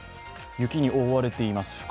雪に覆われています。